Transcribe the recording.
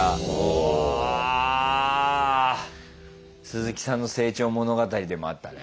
すずきさんの成長物語でもあったね。